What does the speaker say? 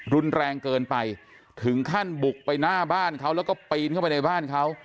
รุนแรงเกินไปถึงขั้นบุกไปหน้าบ้านเขาแล้วก็ปีนเข้าไปในบ้านเขา